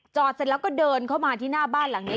เสร็จแล้วก็เดินเข้ามาที่หน้าบ้านหลังนี้